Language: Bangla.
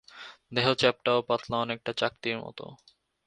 দেহ চ্যাপ্টা ও পাতলা, অনেকটা চাকতির মতো।